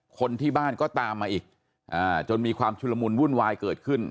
คนที่บ้านก็ตามมาอีกจนมีความชุลมุนวุ่นวายเกิดขึ้น